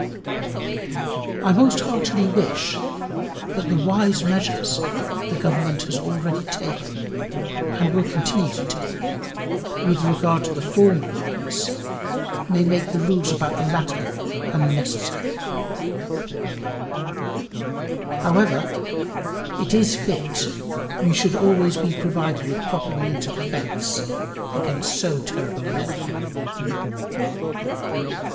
I most heartily wish, that the wise Measures, the Government has already taken, and will continue to take, with Regard to the former of these, may make the Rules about the latter unnecessary: However it is fit, we should be always provided with proper Means of Defence against so terrible an Enemy.